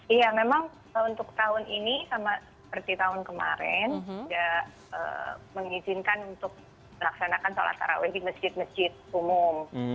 iya memang untuk tahun ini sama seperti tahun kemarin tidak mengizinkan untuk melaksanakan sholat taraweh di masjid masjid umum